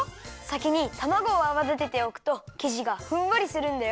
さきにたまごをあわだてておくときじがふんわりするんだよ。